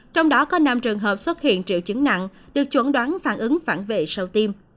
trong đó có năm trường hợp xuất hiện triệu chứng nặng được chuẩn đoán phản ứng phản vệ sau tiêm